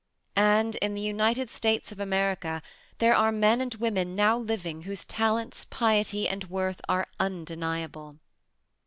And in the United States of America, there are men and women now living whose talents, piety, and worth, are undeniable.